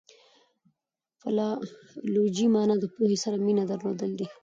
فلالوژي مانا د پوهي سره مینه درلودل دي.